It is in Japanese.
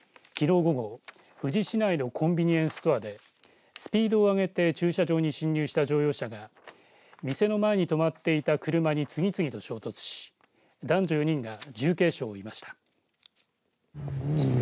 午後富士市内のコンビニエンスストアでスピードを上げて駐車場に侵入した乗用車が店の前に止まっていた車に次々と衝突し男女４人が重軽傷を負いました。